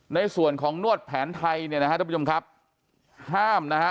ในส่วนของนวดแผนไทยเนี่ยนะฮะทุกผู้ชมครับห้ามนะฮะ